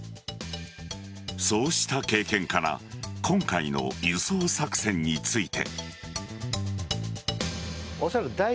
そうした経験から今回の輸送作戦について。